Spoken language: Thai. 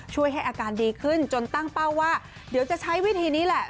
ช่วยให้อาการดีขึ้นจนตั้งเป้าว่าเดี๋ยวจะใช้วิธีนี้แหละ